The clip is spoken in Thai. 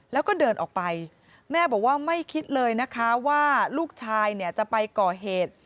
แล้วก็เดินออกไปแม่บอกว่าไม่คิดเลยนะคะว่าลูกชายเนี่ยจะไปก่อเหตุ